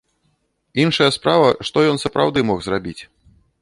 Іншая справа, што ён сапраўды мог зрабіць.